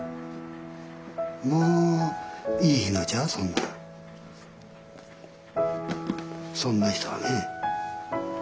もういいひんのちゃうそんなそんな人はね。